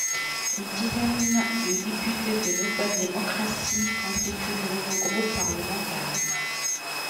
Une dizaine de députés de Nouvelle Démocratie constituent le nouveau groupe parlementaire.